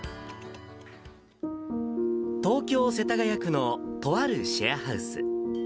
東京・世田谷区のとあるシェアハウス。